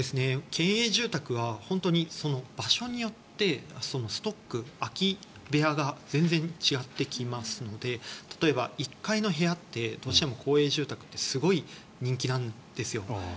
県営住宅はその場所によってストック、空き部屋が全然違ってきますので例えば１階の部屋ってどうしても公営住宅ってすごい人気なんですよ。